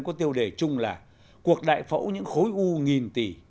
có tiêu đề chung là cuộc đại phẫu những khối u nghìn tỷ